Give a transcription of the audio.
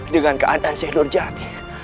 dengan keadaan syedur jati